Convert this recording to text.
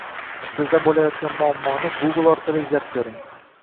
Sizda bo’layotgan muammoni Google orqali izlab ko’ring